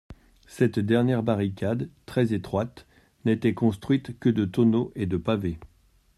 Cette dernière barricade, très étroite, n'était construite que de tonneaux et de pavés.